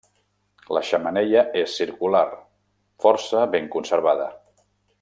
La xemeneia és circular, força ben conservada.